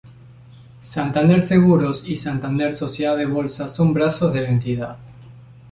Santander Seguros y Santander Sociedad de Bolsa son brazos de la entidad.